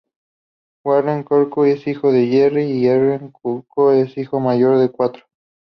Warren Cuccurullo es hijo de Jerry y Ellen Cuccurullo, el hijo mayor de cuatro.